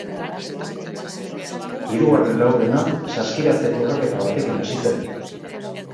Hirugarren laurdena saskiratze trukaketa batekin hasi zen.